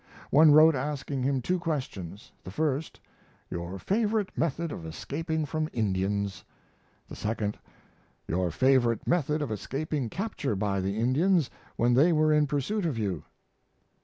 One wrote asking him two questions: the first, "Your favorite method of escaping from Indians"; the second, "Your favorite method of escaping capture by the Indians when they were in pursuit of you."